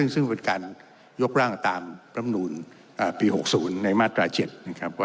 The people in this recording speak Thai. ซึ่งเป็นการยกร่างตามรำนูลปี๖๐ในมาตรา๗นะครับ